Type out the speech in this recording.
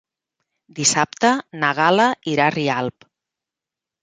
Dissabte na Gal·la irà a Rialp.